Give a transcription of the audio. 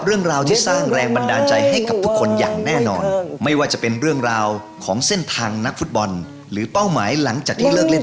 เริ่มเล่นบอลนี่น่าจะประมาณสัก